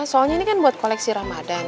soalnya ini kan buat koleksi ramadan